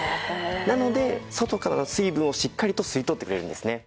なので外からの水分をしっかりと吸い取ってくれるんですね。